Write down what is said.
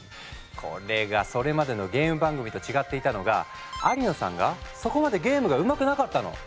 これがそれまでのゲーム番組と違っていたのが有野さんがそこまでゲームがうまくなかったの。